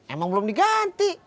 emang belum diganti